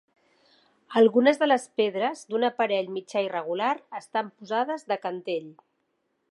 Algunes de les pedres, d'un aparell mitjà irregular, estan posades de cantell.